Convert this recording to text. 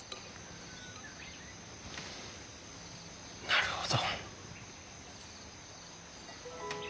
なるほど。